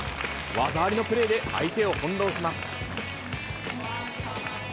技ありのプレーで、相手を翻弄します。